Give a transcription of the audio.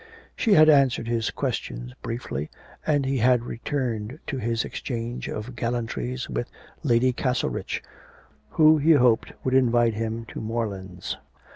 She had answered his questions briefly, and he had returned to his exchange of gallantries with Lady Castlerich, who he hoped would invite him to Morelands.